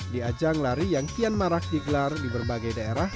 di ajang lari yang kian marak digelar di berbagai daerah